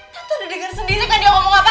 tante udah denger sendiri kalau dia ngomong apa